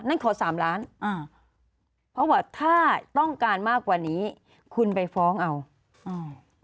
นั่นขอสามล้านอ่าเพราะว่าถ้าต้องการมากกว่านี้คุณไปฟ้องเอาอืม